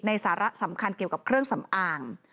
สาระสำคัญเกี่ยวกับเครื่องสำอาง